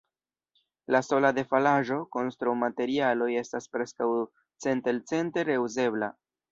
La sola defalaĵo, konstrumaterialoj, estas preskaŭ centelcente reuzebla.